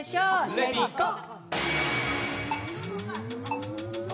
レディ・ゴー！